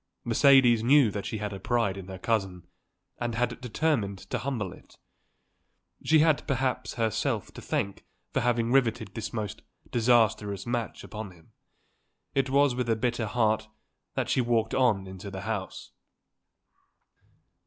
Mercedes knew that she had a pride in her cousin and had determined to humble it. She had perhaps herself to thank for having riveted this most disastrous match upon him. It was with a bitter heart that she walked on into the house.